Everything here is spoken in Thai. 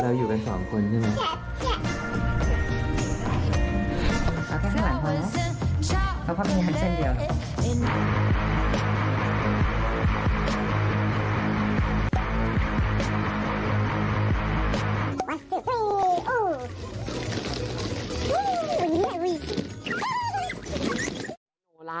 สวัสดีค่ะ